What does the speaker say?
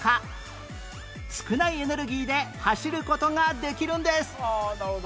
少ないエネルギーで走る事ができるんです